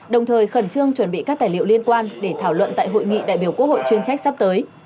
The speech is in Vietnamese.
đồng thời khẩn trương chuẩn bị các tài liệu liên quan để thảo luận tại hội nghị đại biểu quốc hội chuyên trách sắp tới